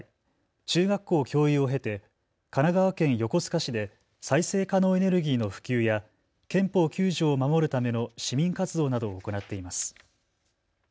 中学校教諭を経て神奈川県横須賀市で再生可能エネルギーの普及や憲法９条を守るための市民活動などを行っています。